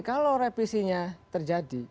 kalau reprisinya terjadi